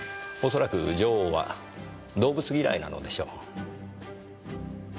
恐らく女王は動物嫌いなのでしょう。